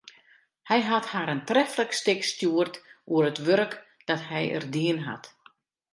Hy hat har in treflik stik stjoerd oer it wurk dat er dien hat.